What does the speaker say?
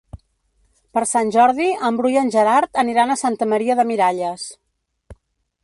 Per Sant Jordi en Bru i en Gerard aniran a Santa Maria de Miralles.